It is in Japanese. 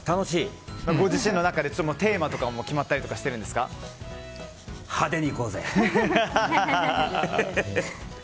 ご自身の中でテーマとかも派手にいこうぜ！